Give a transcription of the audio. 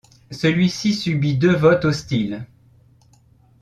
Celui-ci subit deux votes hostiles.